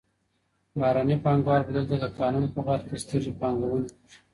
بهرني پانګوال به دلته د کانونو په برخه کي سترې پانګونې وکړي.